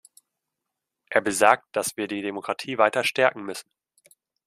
Er besagt, dass wir die Demokratie weiter stärken müssen.